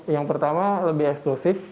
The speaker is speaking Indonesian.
yang pertama lebih eksklusif